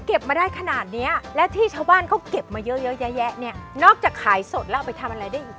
มาได้ขนาดเนี้ยและที่ชาวบ้านเขาเก็บมาเยอะเยอะแยะเนี่ยนอกจากขายสดแล้วเอาไปทำอะไรได้อีก